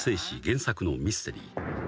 原作のミステリー］